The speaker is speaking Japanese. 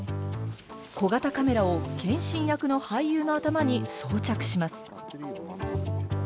小型カメラを謙信役の俳優の頭に装着します。